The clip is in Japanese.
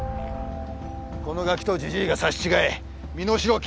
このガキとジジイが刺し違え身代金